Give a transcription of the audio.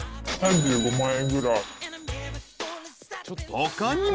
［他にも］